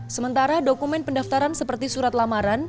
sementara dokumen pendaftaran seperti surat lamaran